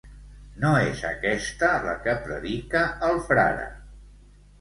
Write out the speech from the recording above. No és aquesta la que predica el frare.